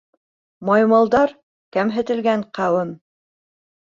Маймылдар — кәмһетелгән ҡәүем.